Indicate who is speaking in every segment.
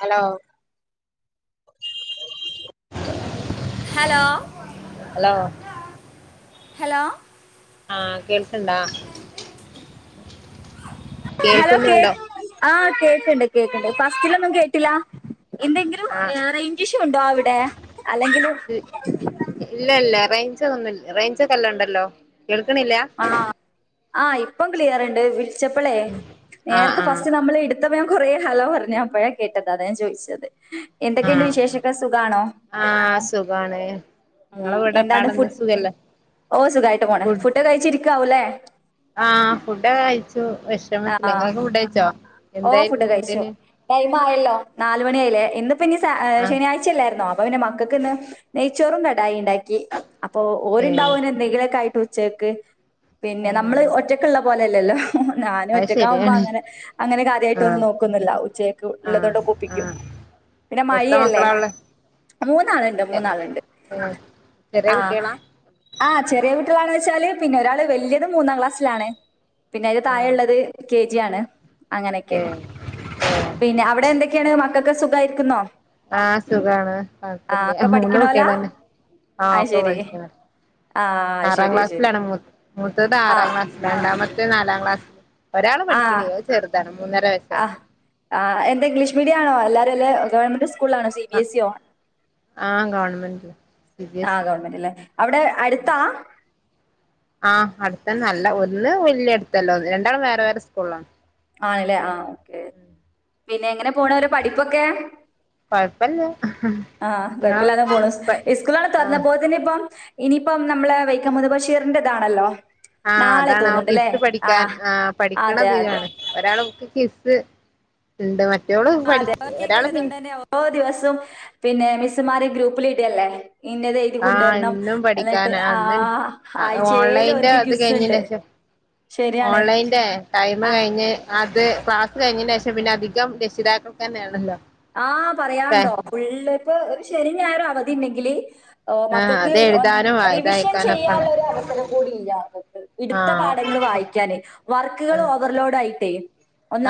Speaker 1: Hello
Speaker 2: hello
Speaker 1: hello
Speaker 2: hello
Speaker 1: ആഹ കേൾക്ക്ണ്ടാ.
Speaker 2: Hello കേ
Speaker 1: കേൾക്കുന്നുണ്ടോ
Speaker 2: ആഹ കേക്കണ്ട് കേക്കണ്ട് ഫസ്റ്റിലൊന്നും കേട്ടില്ല. എന്തെങ്കിലും
Speaker 1: ആഹ്
Speaker 2: റേഞ്ച് ഇഷു ഉണ്ടോ അവിടെ അല്ലെങ്കിൽ
Speaker 1: ഇല്ല ഇല്ല റേഞ്ചൊ ഒന്നും റേഞ്ച് ഒക്കെ നല്ലോം ഉണ്ടല്ലോ കേൾക്കണില്ല.
Speaker 2: ആഹ ആഹ ഇപ്പം ക്ലിയർണ്ട് വിളിച്ചപ്പോളേ
Speaker 1: ആഹ്
Speaker 2: നേരത്തെ
Speaker 1: ആഹ്
Speaker 2: ഫസ്റ്റ് നമ്മൾ എടു ത്തപ്പോ കുറെേ ഹലോ പറഞ്ഞ് അപ്പോഴെ കേട്ടത് അതാ ഞാൻ ചോദിച്ചത്. എന്തൊക്കെയുണ്ട്
Speaker 1: ആഹ്
Speaker 2: വിശേഷക്കെ സുഖാണോ?
Speaker 1: ആഹ് സുഖാണ് നിങ്ങളെ
Speaker 2: ഉം
Speaker 1: വീടെ
Speaker 2: എന്താണ്
Speaker 1: പാടെ
Speaker 2: ഫു
Speaker 1: എന്താ സുഖല്ലേ
Speaker 2: ഓ സുഖമയിട്ട് പോണ്
Speaker 1: ഫുഡ്
Speaker 2: ഫുഡൊക്കെ കഴിച്ചിരിക്കാവല്ലേ.
Speaker 1: ആഹ് ഫുഡക്കെ കയച്ചു വിഷമത്തി
Speaker 2: ആ
Speaker 1: നിങ്ങൊളെക്കെ ഫുഡയിച്ചോ.
Speaker 2: ഓ ഫുഡ് കഴിച്ചു ടൈം ആയല്ലോ നാല മണിയായില്ലേ ഇന്നിപ്പോ ഇനി
Speaker 1: ആഹ്
Speaker 2: ശനിയാഴ്ച. ച്ചല്ലയിരുന്നോ അപ്പൊ പിന്നെ മക്കൾക്ക് ഇന്ന് നെയ്ച്ചോറും കടായി ഉണ്ടാക്കി. അപ്പൊ
Speaker 1: ഏഹ്
Speaker 2: ഓരുണ്ടാവുന എന്തെങ്കിലൊക്കെ ആയിട്ട് ഉച്ചേക്ക് പിന്നെ
Speaker 1: ഏഹ്
Speaker 2: നമ്മള് ഒറ്റക്ക് ക്കുള്ള പോലെല്ലല്ലോ ഞാനും
Speaker 1: അത്
Speaker 2: ഒറ്റക്ക ആവുമ്പോ
Speaker 1: ശരിയാണ്
Speaker 2: അങ്ങനെ അങ്ങനെ
Speaker 1: ആഹ്
Speaker 2: കാര്യമായിട്ഒന്നും നോക്കുന്നില്ല ഉച്ചയക്ക്
Speaker 1: ആഹ്
Speaker 2: ഉള്ളതുകൊണ്ട് ഒപ്പിക്കും
Speaker 1: ആഹ്
Speaker 2: പിന്നെ
Speaker 1: എത്ര
Speaker 2: മഴല്ലേ.
Speaker 1: മക്കളാ ഉള്ളെ
Speaker 2: മൂന്നാളുണ്ട് മൂന്നാളുണ്ട്.
Speaker 1: ഏഹ് ചെറിയ കുട്ടികളാ.
Speaker 2: ആഹ
Speaker 1: ഏഹ്
Speaker 2: ചെറിയ കുട്ടികളണെന്ന് വെച്ചാല് പിന്നെ ഒരാള് വല്ല്ത് മൂന്നാം ക്ലാസ്സിലാണ്. പിന്നെ അതിന്റെ താഴ
Speaker 1: ആഹ്
Speaker 2: ഉള്ളത് കെ ജി ആണ്. അങ്ങനെയൊക്കെ
Speaker 1: ഏഹ്
Speaker 2: പിന്നെ അവിടെ എന്തൊക്കെയാണ് മക്കൾൊക്കെ സുഖമായിരിക്കുന്നോ?
Speaker 1: ആഹ സുഖാണ് കുഴപ്പില്ലേ മൂന്ന്
Speaker 2: പഠിക്കണോലാ?
Speaker 1: കുട്ടികളന്നെ ആഹ
Speaker 2: അത്
Speaker 1: ഒക്കെ
Speaker 2: ശരി.
Speaker 1: വിളിക്കന്നാ
Speaker 2: ആ
Speaker 1: ആറാം
Speaker 2: ശരി ശരി.
Speaker 1: ക്ലാസ്സിലാണ് മൂത്തത്
Speaker 2: ആ
Speaker 1: ആറാം ക്ലാസ്. രണ്ടാമത്തെ നാലാം ക്ലാസ്സിൽ ഒരാൾ പഠികാണില്ല അത് ചെറുതാണ് മൂന്നര വയസ്സ്
Speaker 2: ആഹ് ആഹ് എന്താ ഇംഗ്ലീഷ് മീഡിയാണോ എല്ലാവാരും അല്ലേ ഗവൺമെന്റ് സ്കൂളാണോ സി ബി
Speaker 1: ആഹ്
Speaker 2: എസ് ഇ ആണോ?
Speaker 1: ആഹ് ഗവൺമെന്റ്
Speaker 2: ആഹ് ഗവൺമെന്റ് അല്ലേ അവിടെ അടുത്താ
Speaker 1: ആഹ് അടുത്തന ല്ല ഒന്ന് വല്ല്യ അടുത്തല്ല ഒന്ന് രണ്ടാളും വേറെ വേറെ സ്കൂളാ.
Speaker 2: ആണല്ലേ ആഹ് ഓക്കെ പിന്നെ എങ്ങനെ പോണ് ഓലെ പഠിപ്പൊക്കെ
Speaker 1: കൊഴപ്പില്ല
Speaker 2: ആഹ്
Speaker 1: നിങ്ങളെ
Speaker 2: കൊഴപ്പല്ലാതെ പോണു
Speaker 1: പ
Speaker 2: ഇസ്കൂളാണ്
Speaker 1: ആഹ്
Speaker 2: തൊറന്നപ്പോത്തിനിപ്പം ഇനിയിപ്പം നമ്മളെ വൈക്കം മുഹമ്മദ് ബഷീറിന്റെതാണല്ലോ.
Speaker 1: ആഹ്
Speaker 2: നാളെ
Speaker 1: അതാണ് ആ
Speaker 2: തോന്നുന്നുണ്ട് ല്ലേ?
Speaker 1: ക്വിസ് പഠിക്കാൻ ആ
Speaker 2: അതെ അതെ.
Speaker 1: പഠിക്കണതീലാണ്. ഒരാൾക്ക് കിസ്സ് ഇണ്ട്. മറ്റോള് പഠി
Speaker 2: അതെ ഒറ്റക്കെ
Speaker 1: ഒരാള്
Speaker 2: ഉള്ളത്
Speaker 1: പി
Speaker 2: കൊണ്ട് തന്നെ ഓരോ ദിവസം പിന്നെ മിസ്മാര് ഗ്രൂപ്പിലിഡല്ലേ ഇന്നത് എഴുതണം
Speaker 1: ആഹ്
Speaker 2: കൊണ്ടുവരണം
Speaker 1: എന്നും
Speaker 2: എന്നിട്ട്
Speaker 1: പഠിക്കാന
Speaker 2: ആ
Speaker 1: അന്ന്
Speaker 2: ആഴ്ചേയിലും
Speaker 1: ഓൺലൈന്റെ
Speaker 2: ഒര്ക്ക് ക്വിസ് ഉണ്ട്. ശരിയാണ്
Speaker 1: ഓൺലൈൻന്റെ ടൈമ്
Speaker 2: ആ
Speaker 1: കഴിഞ്ഞ് അത് ക്ലാസ് കഴിഞ്ഞതിന് ശേഷം പിന്നെ അധികം രക്ഷിതാക്കൾക്ക് തന്നെയാണല്ലോ.
Speaker 2: ആഹ് പറയണ്ടോ ഫുള്ളിപ്പൊ ഒരു ശനി ഞായറും അവധി ഉണ്ടെങ്കില്. ഓഹ്
Speaker 1: ആഹ്
Speaker 2: മക്കൾക്ക്
Speaker 1: അത് എഴുതാനും
Speaker 2: റിവിഷൻ
Speaker 1: ഇതയക്കാനും ഒക്കെ
Speaker 2: ചെയ്യാനുള്ള
Speaker 1: ഉണ്ട്
Speaker 2: ഒരു അവസരം കൂടി ഇല്ല മക്കൾക്ക് എടുത്ത പാഠങ്ങള്
Speaker 1: ആഹ് ഒക്കെ
Speaker 2: വായിക്കാനേ വർക്കുകൾ
Speaker 1: ആഹ്
Speaker 2: ഓവർലോഡ് ആയിട്ടേ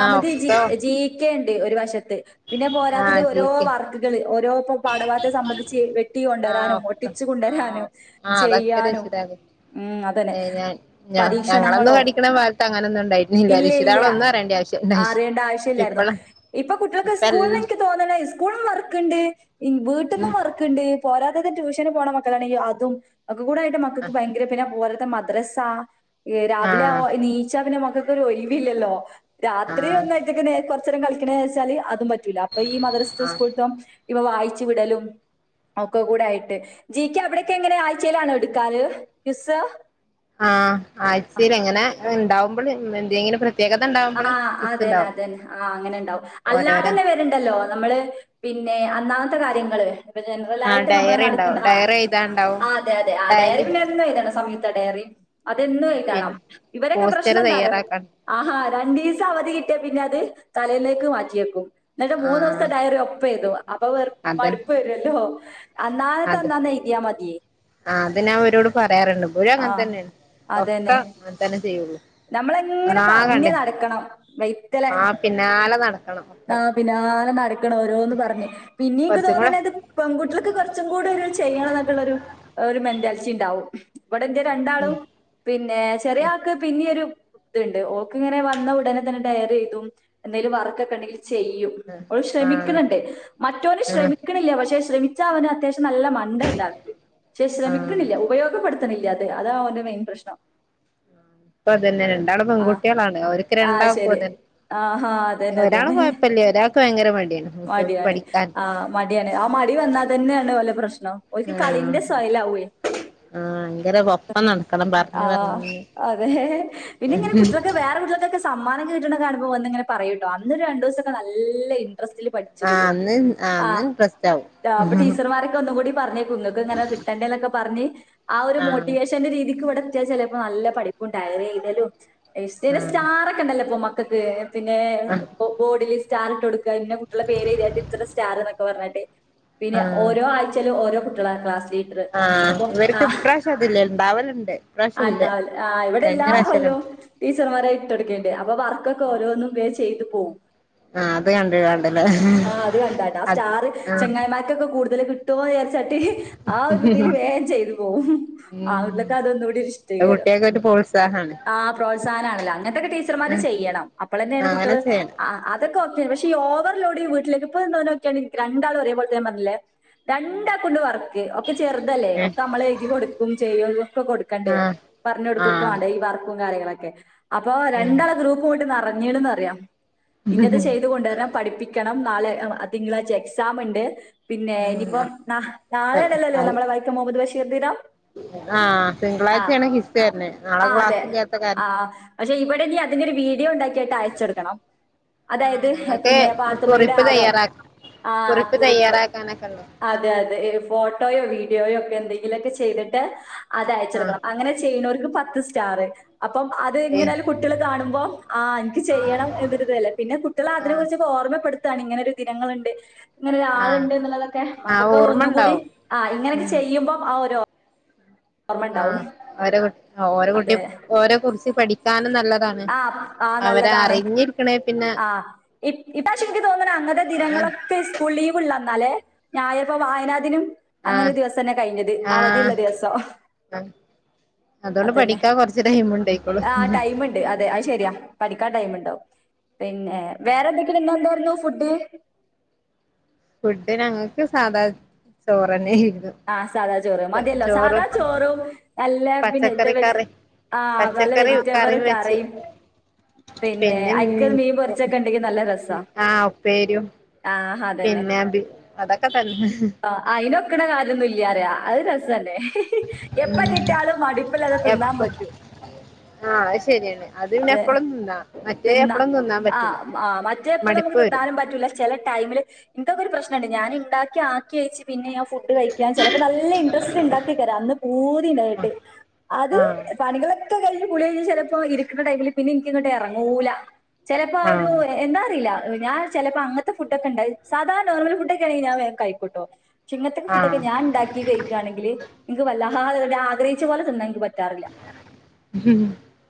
Speaker 1: ആഹ്
Speaker 2: ജി
Speaker 1: ഒക്കെ
Speaker 2: ജീക്കെ ഉണ്ട് ഒരു വശത്ത് പിന്നെ പോരാത്തത്
Speaker 1: ആഹ്
Speaker 2: ഓരോ
Speaker 1: ജീക്കെ
Speaker 2: വർക്ക് ക്കൾ ഓരോ പാഠഭാഗത്തെ സംബന്ധിച്ച് വെട്ടി
Speaker 1: ആഹ്
Speaker 2: കൊണ്ടുവരാനും
Speaker 1: ഒക്കെ
Speaker 2: ഒട്ടിച്ചു കൊണ്ടുവരാനും
Speaker 1: ആഹ്
Speaker 2: ചെയ്യാനും ഉം അതന്നെ
Speaker 1: ഏഹ് ഞാ ഞാ ഞങ്ങളൊന്നും
Speaker 2: പരീക്ഷണങ്ങളോ
Speaker 1: പഠിക്കുന്ന കാലത്ത് അങ്ങനൊന്നും ഉണ്ടരുന്നില്ല.
Speaker 2: ഇല്ല ഇല്ല
Speaker 1: രശിതകളൊന്നും അറേണ്ട ആവശ്യം ഇണ്ടായി
Speaker 2: അറിയേണ്ട ആവശ്യം ഇല്ലായിരുന്നു
Speaker 1: ഇപ്പളാ
Speaker 2: ഇപ്പൊ കുട്ടികൾക്കെ
Speaker 1: ഇപ്പൽ
Speaker 2: സ്കൂള എനിക്ക് തോന്നണേ സ്കൂളും വർക്ക്ണ്ട് വീട്ടിൽന്നും
Speaker 1: ഉം
Speaker 2: വർക്ക് ണ്ട് പോരാത്തത് ട്യൂഷന് പോണ മക്കളാണെങ്കിൽ അതും കൂടെയിട്ട് മക്കൾക്ക് ഭയങ്കര പിന്നെ പോരാത്ത ദ്രസ രാവിലെ
Speaker 1: ആഹ്
Speaker 2: ആ നീച്ച പിന്നെ മക്കൊക്കെ ഒരു ഒഴവില്ലല്ലോ രാത്രി
Speaker 1: ആഹ്
Speaker 2: ഒന്നായിട്ടൊക്കെ കുറച്ച നേരം കളിക്കണ വെച്ചാല് അതും പറ്റൂല്ല അപ്പൊ ഈ മദ്രസ
Speaker 1: ആഹ്
Speaker 2: സ്കൂളത്തം ഇപ്പ വായിച്ചു വിടലും ഒക്കെ കൂടെ ആയിട്ട് ജി കെ അവിടെയൊക്കെ എങ്ങനെ ആഴ്ചയിലാണോ എടുക്കാറ് ക്വിസ്
Speaker 1: ആഹ് ആഴ്ചൽ എങ്ങനെ ഉണ്ടാവുമ്പോ എന്തെ പ്രത്കത ഉണ്ട
Speaker 2: ആഹ് അത തന്നെ അതെന്നെ ആഹ് അങ്ങനെ ഉണ്ടാവും അല്ലാതെ
Speaker 1: ഓരോരോ
Speaker 2: തന്നെ വരു ല്ലോ നമ്മള് പിന്നെ അന്നാമത്തെ കാര്യങ്ങള് ഇപ്പൊ ജനറല
Speaker 1: ആഹ്
Speaker 2: ആയിട്ട് നമ്മള്
Speaker 1: ഡയറി
Speaker 2: നടക്കുന്ന
Speaker 1: ഉണ്ടാവും
Speaker 2: ആഹ്
Speaker 1: ഡയറി എഴുതാണ്ടാവും
Speaker 2: ആഹ് അതെ അതെ ആ ഡയറി
Speaker 1: ഡയലി
Speaker 2: പിന്നെ എന്ത ആതാണ് സമീത്ത ഡയറി അതെ
Speaker 1: പിന്നെ
Speaker 2: ഇവരൊക്കെ
Speaker 1: പോസ്റ്റർ
Speaker 2: പ്രശ്നം എന്താറിയോ
Speaker 1: തയ്യാറാക്കാൻ
Speaker 2: ആഹ് രണ്ടീസം അവധി കിട്ടിയ പിന്നെ അത് തലെന്നെക്ക് മാറ്റിവെക്കും എന്നിട്ട് മൂന്ന്
Speaker 1: ആഹ്
Speaker 2: ദിവസം ഡയറി ഒപ്പ എഴുതും അപ്പൊ വ
Speaker 1: അതൻ
Speaker 2: മടുപ്പ് വരുല്ലോ അന്നാന്ന ത്തെ
Speaker 1: അത്
Speaker 2: അന്നന്ന എഴുതിയ മതി
Speaker 1: ആഹ് അത് ഞാൻ ഇവരോട് പറയാറുണ്ട് പുഴ
Speaker 2: ആ
Speaker 1: അങ്ങനെ തന്നെയ ഒക്ക അങ്ങന തന്നെ ചെയ്യുള്ളൂ
Speaker 2: നമ്മള ഇങ്ങനെ
Speaker 1: ഒന്നാകണ്ട്
Speaker 2: പറഞ് നടക്കണം വൈത്തല
Speaker 1: ആഹ് പിന്നാലെ നടക്കണം ഒക്കെ
Speaker 2: ആഹ് പിന്നാലെ നടക്കണ ഓരോന്ന് പറഞ് പിന്നീ എനിക്ക്
Speaker 1: കുറച്ചും കൂടെ
Speaker 2: തോന്നണത് പെൺകുട്ടികൾക്ക് കുറച്ചും കൂടി ഒരു ചെയ്യണം എന്നൊക്കുള്ള ഒരു ഒരു മെന്റാലിറ്റി ഉണ്ടാവും ഇവിടെ എന്റെ
Speaker 1: ഉം
Speaker 2: രണ്ടാളും പിന്നെ ചെറിയ ആൾക്ക് പിന്നെരു ഇത്ണ്ട് ഓക്ക് ഇങ്ങനെ വന്ന ഉടനെ തന്നെ ഡയറി എഴുതും എന്തേലും വർക്കൊക്കെ ഉണ്ടെങ്ക ചെയ്യും അവ
Speaker 1: ആഹ് ആഹ്
Speaker 2: ശ്രമിക്കുന്നുണ്ട് മറ്റവന്
Speaker 1: ആഹ്
Speaker 2: ശ്രമിക്കണില്ല പക്ഷെ ശ്രമ അവന് അത്യാവശ്യം നല്ല മണ്ട ഉണ്ടാക്കി പക്ഷെ
Speaker 1: ആഹ്
Speaker 2: ശ്രമിക്കണില്ല ഉപയോഗപ്പെടുത്ത [unintelligible] അതാണ് അവന്റെ മെയിൻ പ്രശ്നം
Speaker 1: ഇപ്പതന്നെ രണ്ടാളും
Speaker 2: ആഹ്
Speaker 1: പെൺകുട്ടികളാണ് അവർക്ക്
Speaker 2: ആഹ്
Speaker 1: രണ്ടക്കും
Speaker 2: ശരി
Speaker 1: അതന്നെ
Speaker 2: ആഹാ അതന്നെ
Speaker 1: ഒരാൾ
Speaker 2: അതന്നെ
Speaker 1: കുഴപ്പല്ല ഒരാൾ ഭയങ്കര മടിയാണ് മുത്തോൾക്ക്
Speaker 2: മടിയാണ്
Speaker 1: പഠിക്കാൻ
Speaker 2: ആ മടിയാണ് ആ മടി വന്നാൽ തന്നെയാണ് ഓലെ പ്രശ്നം ഒക്ക്
Speaker 1: ആഹ്
Speaker 2: കളിന്റെ സയലാവേ
Speaker 1: ആഹ് ഭയങ്കര ഒപ്പം നടക്കണം പറഞ്ഞ്
Speaker 2: ആഹ്
Speaker 1: പറഞ്ഞ്
Speaker 2: [unintelligible] സമ്മാനകെ കിട്ടിണെ കാണുമ്പം വന്നിങ്ങനെ പറയുട്ടോ അന്നൊരണ്ടൂസൊക്കെ നല്ല ഇൻട്രസ്റ്റില് പ ചൊക്കെ
Speaker 1: ആഹ്
Speaker 2: ചെ
Speaker 1: അന്ന് അന്ന്
Speaker 2: ആഹ്
Speaker 1: ഇൻട്രസ്റ്റ് ആവും
Speaker 2: താ അപ്പൊ ടീച്ചർമാരെക്കെ ഒന്നുങ്കൂടി പർഞെ കുങ്ങക്ക് ഇങ്ങനെ കിട്ടണ്ടേ ന്നെക്കെ പർഞ്ഞ് ആ ഒരു
Speaker 1: ആഹ്
Speaker 2: മോട്ടിവേഷന്റെ രീതിക്ക് ഇവടെ എത്ത്യാ ചെലേപ്പൊ നല്ല പഠി പു ഡയറി എയ്തലു ഇഷ്ടേ ന്നെ
Speaker 1: ആഹ്
Speaker 2: സ്റ്റാറക്കെണ്ടല്ല ഇപ്പൊ മക്കക്ക് പിന്നെ
Speaker 1: ആഹ്
Speaker 2: ബൊ ബോഡിൽ സ്റ്റാർ ഇട്ടൊട്ക്ക പിന്നെ കുട്ട്യാളെ പേരെയ്ത്യാണ്ട് ഇത്ര സ്റ്റാറ് എന്നൊക്കെ പർഞ്ഞാണ്ട് പിന്നെ
Speaker 1: ആഹ്
Speaker 2: ഓരോ ആയ്ചേലും ഓരോ കുട്ടായാള ക്ലാസ്സ് ലീ
Speaker 1: ആഹ് ഇവര്ക്ക് ഇപ്രാശ്യം അതില്ല ഇണ്ടാവലിണ്ട് ഇപ്രാശ്യല്ല
Speaker 2: ആഹ് ഇവിടെല്ലാ കൊല്ലോം ടീച്ചർമാരെ ഇട്ടൊട്ക്കേണ്ട്യെ അപ്പൊ വർക്കൊക്കോരോന്നും വേ ചെയ്ത് പോം
Speaker 1: ആഹ് അത് കണ്ട് കാണ്ട്ലേ അത് ആഹ്
Speaker 2: ക്കൊക്കെ കൂടുതല് കിട്ടോ ചാര്ച്ചാണ്ട് ആഹ് ഒരു ഇതീല് വേം ചെയ്ത് പോവും
Speaker 1: ഉം
Speaker 2: [unintelligible] അതൊന്നുകൂടി ഇഷ്ടീകരം
Speaker 1: കുട്ടികൾക്ക് ഒരു പ്രോത്സാഹം
Speaker 2: ആഹ് പ്രോത്സാഹനാണല്ല അങ്ങൻത്തെക്കെ ടീച്ചർമാര്
Speaker 1: ആഹ്
Speaker 2: ചെയ്യണം അപ്പളെന്നേണ്
Speaker 1: അങ്ങനെ
Speaker 2: കുട്ട്യാള്
Speaker 1: ചെയ്യണം
Speaker 2: ആഹ് ആഹ് അതൊക്കെ ഓക്ക്യേൺ പഷി ഓവർലോഡ് ഈ വീട്ട്ലേക്ക് ഇപ ഇന്നോനോക്ക്യാണ് രണ്ടാളു ഒരേ പോൽത്തെഞാൻ പർഞ്ഞിലേ രണ്ടാക്കുണ്ട് വർ ക് ഒക്കെ ചെറ്തല്ലേ
Speaker 1: ഏഹ്
Speaker 2: ഒക്കെ അമ്മളെയ്തി കൊട്ക്കും ചെയ്യും ക്കെ കൊടുക്കണ്ടേ
Speaker 1: ആഹ്
Speaker 2: പർഞ്ഞൊട്
Speaker 1: ആഹ്
Speaker 2: ഈ വർക്കും കാര്യങ്ങളൊക്കെ അപ്പൊ
Speaker 1: ഉം
Speaker 2: രണ്ടാള ഗ്രൂപ്പൂട്ട് നറഞ്ഞീണിന്ന് അറയാ ഇന്നിത് ചെയ്ത കൊണ്ടര്ണം പഠിപ്പിക്കണം നാളെ തിങ്കളായ്ച എക്സാം ഇണ്ട് പിന്നെ
Speaker 1: ഉം
Speaker 2: ഇനിപ്പം
Speaker 1: അത്
Speaker 2: നാളേണെല്ലൊലേ നമ്മളെ വൈക്കം മൊഹമ്മദ് ബഷീർ ദിനം
Speaker 1: ആഹ്
Speaker 2: ആഹ്
Speaker 1: തിങ്കളായ്ച്യാണ് ഹിസ്റ്റെര്ന്നെ നാളെ ക്ലാസ്സില്ലാത്ത കാര്
Speaker 2: പഷെ ഇവടെനി അതിൻ്റൊരു വീഡിയോ ഇണ്ടാക്കീട്ട് അയച്ചൊട്ക്കണം
Speaker 1: ആഹ്
Speaker 2: അതായ്ത്
Speaker 1: ഞങ്ങൾക്ക്
Speaker 2: പിന്നെ പാത്തുമ്മയുടെ
Speaker 1: കുറിപ്പ്
Speaker 2: ആടോ
Speaker 1: തയ്യാറാക്ക
Speaker 2: ആഹ് കുറിപ്പ്
Speaker 1: തയ്യാറാക്കാനൊക്കെ ഉണ്ട്
Speaker 2: അതെ അത് ഇ ഫോട്ടോയോ വീഡിയോയോ ഒക്കെ എന്തെങ്കിലൊക്കെ ചെയ്തിട്ട് അത്
Speaker 1: ആഹ്
Speaker 2: അയച്ചൊടുക്കണം അങ്ങനെ ചെയ്ണോർക്ക് പത്ത് സ്റ്റാറ് അപ്പം
Speaker 1: ഏഹ്
Speaker 2: അതിങ്ങനേലും കു കുട്ട്യാള് കാണുമ്പോ ആഹ് ഇൻക്ക് ചെയ്യണം എന്നൊരുതല്ലേ പിന്നെ കുട്ട്യാളെ അതിനെ
Speaker 1: ആഹ്
Speaker 2: കുർച്ചൊക്കെ ഓർമ്മപ്പെടുത്താണ് ഇങ്ങെനൊരു ദിനങ്ങളിണ്ട്
Speaker 1: ആഹ്
Speaker 2: ഇങ്ങനൊരാളിണ്ട് ഇന്ന്ള്ളതൊക്കെ
Speaker 1: ആഹ്
Speaker 2: മക്കക്ക്
Speaker 1: ഓർമ്മ
Speaker 2: ഒന്നുകൂടി
Speaker 1: ഉണ്ടാവും
Speaker 2: ആഹ് ഇങ്ങനൊക്കെ
Speaker 1: ഉം
Speaker 2: ചെയ്യുമ്പം ആഹ്
Speaker 1: ആഹ് ഓരെ കു ഓരെ കുട്ടി
Speaker 2: അതെ.
Speaker 1: ഓരെ കുർച്ച് പഠിക്കാനും നല്ലതാണ്
Speaker 2: ആഹ്
Speaker 1: അവരെ
Speaker 2: നല്ലതാണെ
Speaker 1: അറിഞ്ഞിരിക്കണേ പിന്നെ
Speaker 2: ആഹ് ഇപ് ഇപ്പാശിക്ക് തോന്നണ് അങ്ങത്തെ
Speaker 1: അതാണ്
Speaker 2: ദിനങ്ങളൊക്കെ സ് കൂൾ ലീവിള്ളന്നാലേ ഞായ പ്പൊ വായനാദിനം അങ്ങനൊരു
Speaker 1: ആഹ്
Speaker 2: ദിവസന്നെ കൈഞ്ഞത് അവധിള്ള ദിവസം
Speaker 1: ആഹ് അതോണ്ട് പഠിക്കാ കൊർച്ച് ടൈം ഇണ്ടായ്ക്കോളും ഉം
Speaker 2: മ്മുണ്ട് അതെ അയ്ശരിയാ പഠിക്കാൻ ടൈമിണ്ടാവും പിന്നെ വേറെന്തെങ്കിലും ഇന്നെന്താന്നു ഫുഡ്
Speaker 1: ഫുഡ്ഡ് ഞങ്ങക്ക് സാധാ ചോറെന്നേനു
Speaker 2: ആഹ് സാധാ ചോറ് മത്യെല്ലോ സാധാ ചോറും നല്ല പിന്നെ ഇത്
Speaker 1: പച്ചക്കറി
Speaker 2: വെച്ച്
Speaker 1: കറി
Speaker 2: ആഹ് നല്ല
Speaker 1: പച്ചക്കറി കറി
Speaker 2: വെജിറ്റബിറ്
Speaker 1: വെച്ച്
Speaker 2: കറിം പിന്നെ ഐക്ക് മീൻ പൊര്ച്ചൊക്കെണ്ടെങ്കി നല്ല രസാ
Speaker 1: ആഹ് ഉപ്പേരിയും
Speaker 2: ആഹ് ഹതന്നെ
Speaker 1: പിന്നെ ബി അതൊക്കെ തന്നെ
Speaker 2: ആഹ് അയിനൊക്കിണെ ഇതൊന്നുല്ല്യാറ്യ അത് രസല്ലെ എപ്പ കിട്ട്യാലും മടിപ്പില്ലാതെ തിന്നാൻ
Speaker 1: എപ്പ
Speaker 2: പറ്റും
Speaker 1: ആഹ് അത് ശെര്യെന്നെ അത് പിന്നെ എപ്പളും തിന്നാ മറ്റേ എപ്പളും തിന്നാൻ പറ്റില്ല
Speaker 2: റ്റെ എപ്പളും നമ്മക്ക്
Speaker 1: മടുപ്പ് വരും
Speaker 2: തിന്നാനും പറ്റൂല ചെ ചെലെ ടൈമില് ഇൻക്കൊക്കെരു പ്രശ്നണ്ട് ഞാനിണ്ടാക്ക്യാക്കി വച്ച് പിന്നെ ഞാ ഫുഡ് ഞാൻ ചെലെപ്പ നല്ല ഇൻട്രസ്റ്റ്ല് ഇണ്ടാക്കേക്കാര അന്ന് പൂതി ഇണ്ടായിട്ട് അത്
Speaker 1: ആഹ്
Speaker 2: പണികള ഒക്ക കഴിഞ്ഞ് കുളി കഴിഞ്ഞ് ചെലപ്പോ ഇരിക്കിണ ടൈമില് പിന്നെ ഇനിക്കങ്ങിട്ടെറങ്ങൂല ചെലെപ്പ ആഹ് ഒരു എ എന്താ അറീല്ല ഞാൻ ചെലെപ്പോ അങ്ങ ത്തെ ഫുഡ്ഡൊക്കെണ്ടായി സാധാ നോർമല് ഫുഡ്ഡൊക്ക്യാണെങ്കി ഞാൻ വേഗ് കയിക്കുട്ടോ ക്ഷിങ്ങൻത്തെക്കെ ഫുഡ്ഡൊക്കെ
Speaker 1: ആഹ്
Speaker 2: ഞാണ്ടാ ക്കി കയിക്കാണെങ്കില് ഇൻക്ക് വല്ലാഹാതെ തന്നെ ആഗ്രഹിച്ച പോലെ തിന്നാ ഇൻക്ക് പറ്റാറില്ല
Speaker 1: ഉം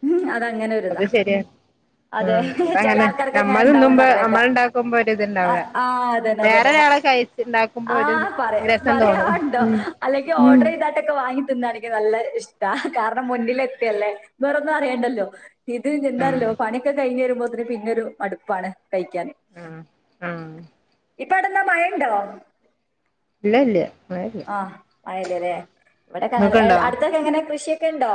Speaker 2: ഉം അതങ്ങനെ
Speaker 1: അത്
Speaker 2: ഒരിതാ
Speaker 1: ശരിയാ
Speaker 2: അതെ.
Speaker 1: ഉം
Speaker 2: ചെല
Speaker 1: അതങ്ങനെ
Speaker 2: ആൾക്കാർക്ക് അങ്ങനെ
Speaker 1: നമ്മൾ
Speaker 2: ഇണ്ടാവുംന്ന്
Speaker 1: തിന്നുമ്പോ
Speaker 2: പറഞ്ഞേക്കാം.
Speaker 1: നമ്മളിണ്ടാക്കുമ്പോ ഒരു
Speaker 2: അ
Speaker 1: ഇത്ണ്ടാവില്ല
Speaker 2: ആഹ് അതന്നെ
Speaker 1: വേറെ
Speaker 2: അതന്നെ.
Speaker 1: ഒരാളക്കൈ ജ്ജിണ്ടാക്കുമ്പോ ഒരിത്
Speaker 2: ആഹ് പറയാ
Speaker 1: ഇവിരെ
Speaker 2: പറയാണ്ടോ അല്ലെങ്കി ഓർഡറ് ന്താട്ടൊക്കെ വാങ്ങി തിന്നാണങ്കി നല്ല ഇഷ്ടാ കാരണം മുന്നിലെത്തിയല്ലേ വേറൊന്നും അറിയണ്ടല്ലോ ഇത്
Speaker 1: ആഹ്
Speaker 2: നിന്താരല്ലോ പണിയൊക്കെ കഴിഞ്ഞ് വരുമ്പോത്തിരു പിന്നൊരു മടുപ്പാണ് കഴിക്കാന്
Speaker 1: ആഹ് ആഹ്
Speaker 2: ഇപ്പവിടെന്താ മഴയുണ്ടോ
Speaker 1: ഇല്ല ഇല്ല മഴല്ല
Speaker 2: ആഹ് മഴല്ലല്ലേ ഇവിടൊക്കങ്ങനെ
Speaker 1: ഇങ്ങക്ക്ണ്ടോ
Speaker 2: അടുത്തൊക്കെങ്ങനെ കൃഷിയൊക്കെണ്ടോ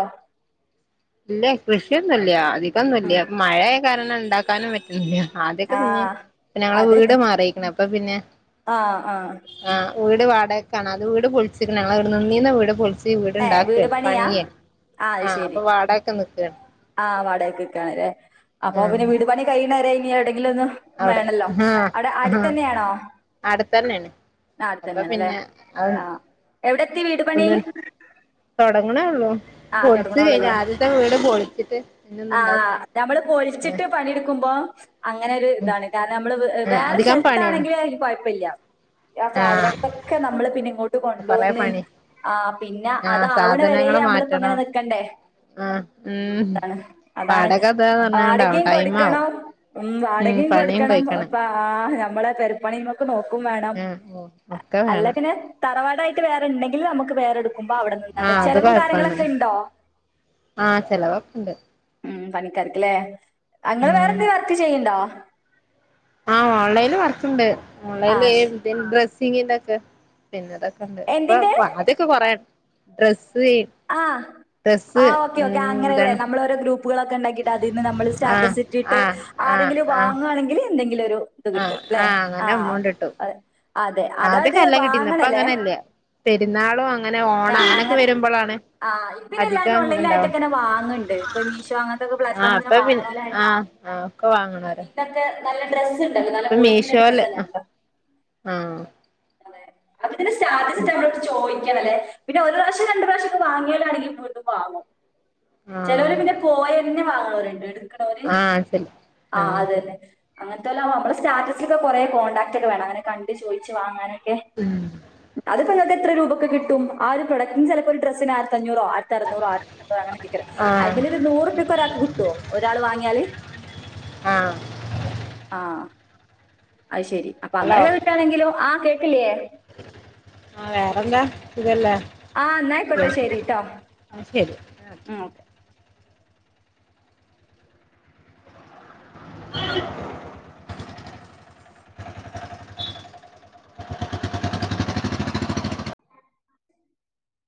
Speaker 1: ഇല്ല കൃഷിയൊന്നുല്ല്യ അധികൊന്നില്ല്യ മഴയെ കാരണം ഇണ്ടാക്കാനും പറ്റുന്നില്ല ആദ്യക്ക പിന്നീം
Speaker 2: ആഹ്
Speaker 1: ഞങ്ങളെ വീട്
Speaker 2: അതന്നെ.
Speaker 1: മാറിക്ക്ണ് അപ്പൊ പിന്നെ
Speaker 2: ആഹ് ആഹ്
Speaker 1: ആഹ് വീട് വാടകക്കാണ് അതു വീട് പൊളിച്ചിക്ക്ണ് ഞങ്ങള് നിന്നിനെവീട് പൊളി തീ
Speaker 2: ഏഹ്
Speaker 1: വീട്ണ്ടാക്കെ
Speaker 2: വീട് പണിയാ?
Speaker 1: പണിയെ
Speaker 2: അത്
Speaker 1: ആഹ്
Speaker 2: ശരി.
Speaker 1: അപ്പൊ വാടകക്ക നിക്കാണ്
Speaker 2: ആഹ് വാടകക്കു നിക്കാണല്ലേ അപ്പൊ
Speaker 1: ആഹ്
Speaker 2: പിന്നെ വീട് പണി കഴിയുന്നവരെ ഇനി എവിടെങ്കിലും ഒന്ന്
Speaker 1: അവിടെ
Speaker 2: വേണല്ലോ
Speaker 1: ആഹ്
Speaker 2: അടെ
Speaker 1: ആഹ്
Speaker 2: അടുത്തന്നെയാണോ
Speaker 1: അടുത്തന്നെണ്
Speaker 2: നാ
Speaker 1: അപ്പൊ
Speaker 2: അടുത്തന്നെയാണല്ലേ
Speaker 1: പിന്നെ അത്
Speaker 2: ആഹ് എവിടെത്തി വീട് പണി
Speaker 1: തൊടങ്ങണേ ഒള്ളൂ
Speaker 2: ആഹ് തൊടങ്ങണോളൂല്ലേ
Speaker 1: പിന്നൊന്ന് ഇണ്ടാക്ക
Speaker 2: ആഹ് നമ്മള്
Speaker 1: ആഹ്
Speaker 2: പൊളിച്ചിട്ട് പണിയെടുക്കുമ്പോ അങ്ങനൊരു
Speaker 1: ഉം
Speaker 2: ഇതാണ് കാരണം നമ്മള് വേ
Speaker 1: ഉം
Speaker 2: വേറെ
Speaker 1: അധികം പണിയാണ്
Speaker 2: സ്ഥലത്താണെങ്കില് കൊഴപ്പല്ല യാ
Speaker 1: ആഹ്
Speaker 2: സാധനങ്ങളൊക്കെ നമ്മള് പിന്നെ ഇങ്ങോ
Speaker 1: കൊറെ
Speaker 2: ട്ട്കൊണ്ടോന്ന്
Speaker 1: പണി
Speaker 2: ആ പിന്നെ അത്
Speaker 1: ആഹ്
Speaker 2: ആവ്ണ വരെ
Speaker 1: സാധനങ്ങള്
Speaker 2: അമ്മളിപ്പ ഇങ്ങനെ
Speaker 1: മാറ്റണം
Speaker 2: നിക്കണ്ടേ?
Speaker 1: ആഹ് ഉം
Speaker 2: അതാണ്
Speaker 1: വാടക ഇതാ പറഞ്ഞാണ്ടാവും
Speaker 2: വാടകിം
Speaker 1: ടൈം ആവും
Speaker 2: കൊടുക്കണം ഉം വാടകയും
Speaker 1: പണിയും
Speaker 2: കൊടുക്കണം
Speaker 1: കഴിക്കണം
Speaker 2: അപ്പ ആ നമ്മളെ പെരുപ്പണിമ്മക്ക് നോക്കും മാണം.
Speaker 1: ആഹ് ഓ ഒക്കെ വേണം.
Speaker 2: തറവാടായിട്ട് വേറെ ണ്ടെങ്കിൽ നമുക്ക് വേറെടുക്കുമ്പോ അവിടെ നിന്നാണ്
Speaker 1: ആഹ് അത്
Speaker 2: ചിലവും കാര്യങ്ങളെ
Speaker 1: കൊഴപ്പാണ് ആഹ് ചെലവൊക്കെണ്ട്.
Speaker 2: ഉം പണിക്കറക്ക്‌ലേ ആ ങ്ങള്
Speaker 1: ഉം
Speaker 2: വേറെന്തേം വർക്ക് ചെയ്യ്ണ്ടോ?
Speaker 1: ആഹ് ഓൺലൈനിൽ വർക്കുണ്ട്
Speaker 2: ആ
Speaker 1: ഓൺലൈനിൽഈ
Speaker 2: ശ്
Speaker 1: ഡ്രെസിങ്ങിന്റെ ഒക്കെ. പിന്നെതൊക്കെ ഉണ്ട്
Speaker 2: എന്തിന്റെ
Speaker 1: ഇപ്പൊ ആദ്യൊക്കെ കൊറയാണ് ഡ്രസ്
Speaker 2: ആഹ് ആ ഓക്കെ ഓക്ക അങ്ങനെല്ലേ
Speaker 1: ഇതാണ്
Speaker 2: നമ്മള ഓരോ ഗ്രൂപ്പുകളൊക്കെ ഉണ്ടാക്കിട്ട് അതിന്ന് നമ്മള്
Speaker 1: ആഹ്
Speaker 2: സ്റ്റാറ്റസ് ഇട്ടിട്ട്
Speaker 1: ആഹ് ആഹ്
Speaker 2: ആരെങ്കിലും
Speaker 1: ആഹ്
Speaker 2: വാങ്ങ ആണെങ്കിൽ എന്തെങ്കിലൊരു
Speaker 1: ആഹ് ആ അങ്ങനെ എമ്മൗണ്ട് ട്ടും
Speaker 2: അതെ
Speaker 1: ആദ്യൊക്കെ
Speaker 2: അതായത്
Speaker 1: നല്ലൊം കിട്ടീന്നു ഇപ്പ
Speaker 2: വാങ്ങണല്ലേ
Speaker 1: അങ്ങനെല്യ. പെരുന്നാളൊ അങ്ങനെ ഓണ
Speaker 2: ആ
Speaker 1: അങ്ങനെക്കെ
Speaker 2: അങ്ങനെ
Speaker 1: വരുമ്പളാണ്
Speaker 2: ആ ഇപ്പിന്നെല്ലാരും
Speaker 1: അധികം
Speaker 2: ഓൺലൈലാ
Speaker 1: ഇത്ണ്ടാവും
Speaker 2: യിട്ട്ക്ക്‌നെ വാങ്ങണ്ട് ഇപ്പ മീഷോ അങ്ങനത്തെക്കെ
Speaker 1: ആഹ്
Speaker 2: പ്ലാറ്റ്ഫോമ്ന്നനെ
Speaker 1: ഇപ്പ പിന്നെ
Speaker 2: വാങ്ങനൊലായ്
Speaker 1: ആഹ് ആഹ് ഒക്കെ വാങ്ണോര
Speaker 2: [unintelligible] നല്ല ഡ്രസ്സ് ഉണ്ടല്ലോ നല്ല ക്വാളിറ്റിയിലെ ഡ്രസ്സ് തന്നെല്ലോ
Speaker 1: ആഹ്
Speaker 2: അപ്പ തിനെ സ്റ്റാറ്റസിറ്റാൽ നമ്മലോഡ് ചോയ് ക്കണം ല്ലേ പിന്നെ ഒരു പ്രാവശ്യ രണ്ട് പ്രാവശ്യ ഒക്കെ വാങ്ങിയൊലാണെങ്കി വീണ്ടും വാങ്ങും.
Speaker 1: ആഹ്
Speaker 2: ചെലൊര് പിന്നെ പോയി തന്നെ വാങ്ങണൊരുണ്ട് എടുക്കണൊര്
Speaker 1: ആഹ് ശരി
Speaker 2: ആഹ് അതന്നെ അങ്ങനത്തെല്ലാം നമ്മുടെ സ്റ്റാറ്റസിലക്കെ കൊറെേ കോണ്ടാക്ട് ഒക്കെ വേണം അങ്ങനെ കണ്ട് ചോയിച്ച് വാങ്ങാനൊക്കെ
Speaker 1: ഉം
Speaker 2: അത്പ്പോ ഇങ്ങക്ക് എത്ര രൂപൊക്കെ കിട്ടും ആ ഒരു പപ്രോഡക്റ്റിൻ ചെലപ്പോൾ ഒരു ഡ്രസിന് ആയിരത്ത അഞ്ഞൂറോആ ആയിരത്തി അറുന്നൂറ് ആരറൂറ് അങ്ങനൊക്കെ ആക്കാരം
Speaker 1: ആഹ്
Speaker 2: അയിമ്മൽ ഒരു നൂറുപ്യക്കെ ഒരാൾക്ക് കിട്ടൊ ഒരാൾ വാങ്ങിയാല്
Speaker 1: ആഹ്
Speaker 2: ആഹ് അത് ശരി അപ്പൊ
Speaker 1: ഹലോ
Speaker 2: അങ്ങനെല്ല കിട്ടാണെങ്കിലോ ആ കേക്ക്‌ ല്ലേ
Speaker 1: ആഹ് വേറെന്താ സുഖല്ലേ
Speaker 2: ആഹ് ന്നായിക്കോട്ടെശരി ട്ടോ
Speaker 1: ആഹ് ശരി
Speaker 2: ഉം ഓക്കെ.
Speaker 1: [unintelligible] [unintelligible]